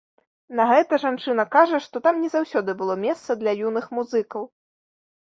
На гэта жанчына кажа, што там не заўсёды было месца для юных музыкаў.